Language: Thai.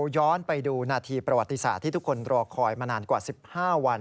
ย้อนไปดูนาทีประวัติศาสตร์ที่ทุกคนรอคอยมานานกว่า๑๕วัน